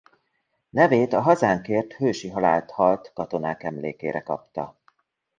Nevét a hazánkért hősi halált halt katonák emlékére kapta.